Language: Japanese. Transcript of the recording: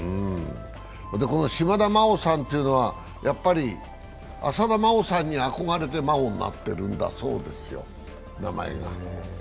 この島田麻央さんというのは、やっぱり浅田真央さんに憧れて名前が麻央になっているんだそうですよ。